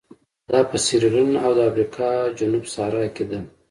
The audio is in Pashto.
دا په سیریلیون او د افریقا جنوب صحرا کې ده.